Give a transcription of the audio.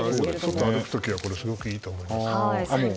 外を歩く時はすごくいいと思います。